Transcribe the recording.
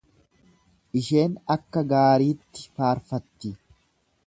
Isheen akka gaariitti faarfatti.